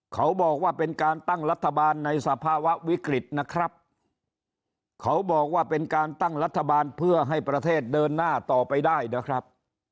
เขาบอกว่าเป็นการตั้งรัฐบาลในสภาวะวิกฤตนะครับเขาบอกว่าเป็นการตั้งรัฐบาลเพื่อให้ประเทศเดินหน้าต่อไปได้นะครับ